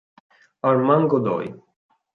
Armand Godoy